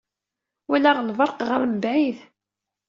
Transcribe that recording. Walaɣ lebreq ɣer mebɛid.